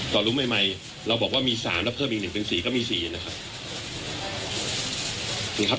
ต่อรู้ใหม่เราบอกว่ามี๓เพิ่มพอมี๑ก็จุดที่๔นึงครับ